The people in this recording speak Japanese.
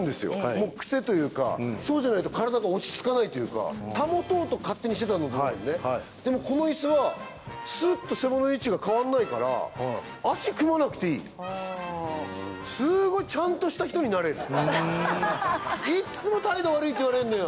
もう癖というかそうじゃないと体が落ち着かないというか保とうと勝手にしてたんだと思うのねでもこのイスはスッと背骨の位置が変わんないから足組まなくていいすごいちゃんとした人になれるいっつも態度悪いって言われんのよ